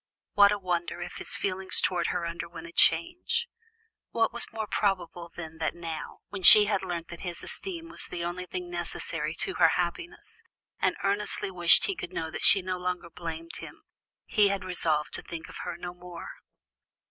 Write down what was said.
What a wonder if his feelings towards her underwent a change! What more probable than that now, when she had learnt that his esteem was the only thing necessary to her happiness, and earnestly wished he could know that she no longer blamed him, he had resolved to think of her no more?